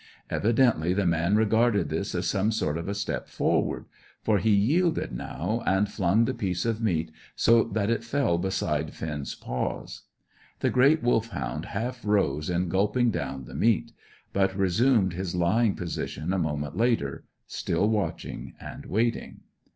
Evidently the man regarded this as some sort of a step forward, for he yielded now, and flung the piece of meat so that it fell beside Finn's paws. The great Wolfhound half rose in gulping down the meat, but resumed his lying position a moment later, still watching and waiting.